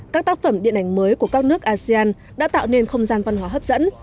các tác phẩm điện ảnh mới của các nước asean đã tạo nên không gian văn hóa hấp dẫn